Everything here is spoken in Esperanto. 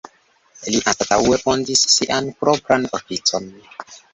Li anstataŭe fondis sian propran oficon.